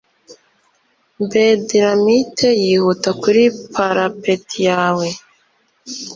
Bedlamite yihuta kuri parapeti yawe,